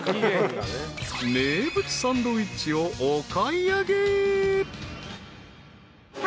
［名物サンドウィッチをお買い上げ］